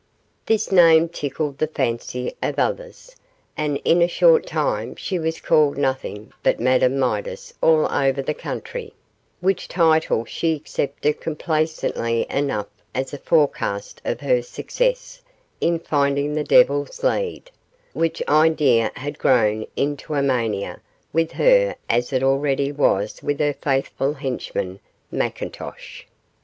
This name tickled the fancy of others, and in a short time she was called nothing but Madame Midas all over the country, which title she accepted complacently enough as a forecast of her success in finding the Devil's Lead, which idea had grown into a mania with her as it already was with her faithful henchman, McIntosh.